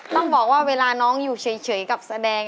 ต้องบอกว่าเวลาน้องอยู่เฉยกับแสดง